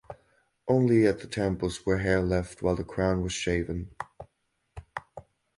Only at the temples were hair left while the crown was shaven.